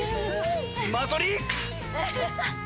マトリックス！